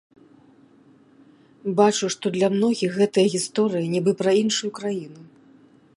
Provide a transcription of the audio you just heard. Бачу, што для многіх гэтая гісторыя нібы пра іншую краіну.